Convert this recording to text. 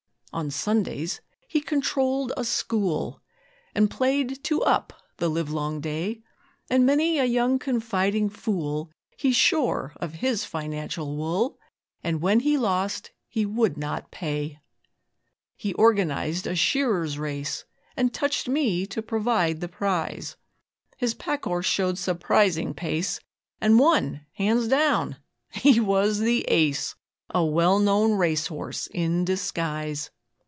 On Sundays he controlled a 'school', And played 'two up' the livelong day; And many a young confiding fool He shore of his financial wool; And when he lost he would not pay. He organised a shearers' race, And 'touched' me to provide the prize. His packhorse showed surprising pace And won hands down he was The Ace, A well known racehorse in disguise.